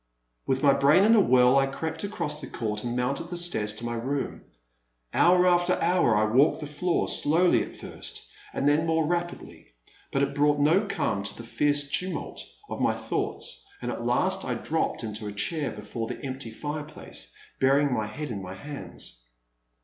With my brain in a whirl I crept across the court and mounted the stairs to my room. Hour after hour I walked the floor, slowly at first, then more> The Man at the Next Table. 377 rapidly, but it brought no calm to the fierce tu mult of my thoughts, and at last I dropped into a chair before the empty fireplace, burying my head in my hands.